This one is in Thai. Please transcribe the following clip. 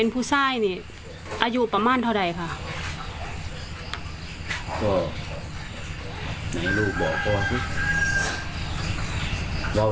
ประมาณ๓๐ปีเป็นรุ่น๒๐กว่า๓๐กว่า